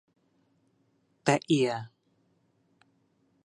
แต๊ะเอีย